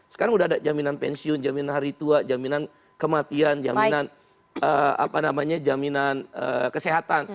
sekarang sudah ada jaminan pensiun jaminan hari tua jaminan kematian jaminan jaminan kesehatan